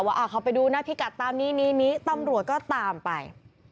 ว่าเขาไปดูนะพิกัดตามนี้นี้ตำรวจก็ตามไป